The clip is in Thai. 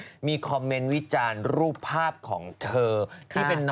โอลี่คัมรี่ยากที่ใครจะตามทันโอลี่คัมรี่ยากที่ใครจะตามทัน